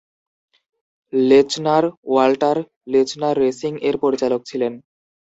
লেচনার Walter Lechner racing এর পরিচালক ছিলেন।